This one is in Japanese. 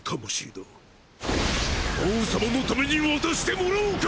葉王様のために渡してもらおうか！